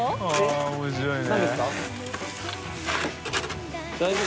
面白いね。